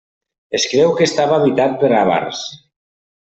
Es creu que estava habitat per àvars.